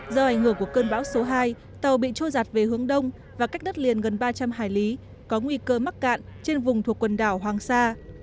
do ảnh hưởng của cơn bão số hai tàu bị trôi giặt về hướng đông và cách đất liền gần ba trăm linh hải lý có nguy cơ mắc cạn trên vùng thuộc quần đảo hoàng sa